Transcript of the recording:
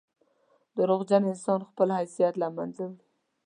• دروغجن انسان خپل حیثیت له منځه وړي.